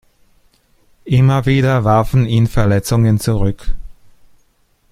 Immer wieder warfen ihn Verletzungen zurück.